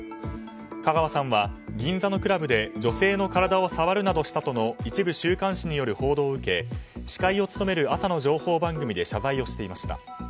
香川さんは銀座のクラブで女性の体を触るなどしたとの一部週刊誌による報道を受け司会を務める朝の情報番組で謝罪をしていました。